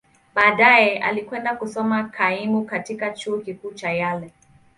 Baadaye, alikwenda kusoma kaimu katika Chuo Kikuu cha Yale.